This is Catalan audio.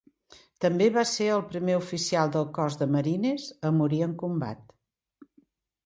També va ser el primer oficial del Cos de Marines a morir en combat.